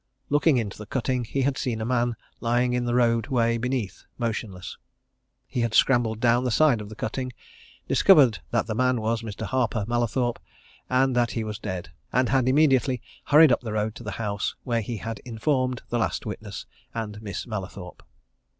Looking into the cutting, he had seen a man lying in the roadway beneath motionless. He had scrambled down the side of the cutting, discovered that the man was Mr. Harper Mallathorpe, and that he was dead, and had immediately hurried up the road to the house, where he had informed the last witness and Miss Mallathorpe.